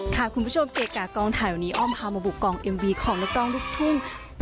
คุณผู้ชมเกะกะกองถ่ายวันนี้อ้อมพามาบุกกองเอ็มวีของนักร้องลูกทุ่ง